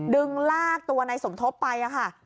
ลากตัวนายสมทบไปค่ะ